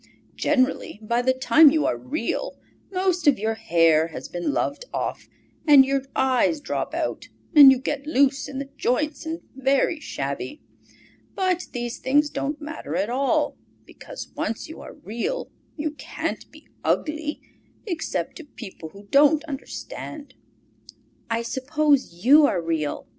Generally, by the time you are Real, most of your hair has been loved off, and your eyes drop out and you get loose in the joints and very shabby. But these things don't matter at all, because once you are Real you can't be ugly, except to people who don't understand." "I suppose you are real?"